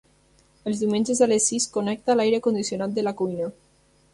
Els diumenges a les sis connecta l'aire condicionat de la cuina.